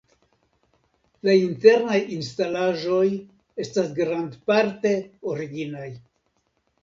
La internaj instalaĵoj estas grandparte originaj.